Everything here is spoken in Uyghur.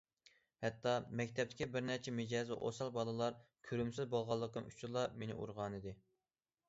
ھەتتا مەكتەپتىكى بىر نەچچە مىجەزى ئوسال بالىلار كۆرۈمسىز بولغانلىقىم ئۈچۈنلا مېنى ئۇرغانىدى.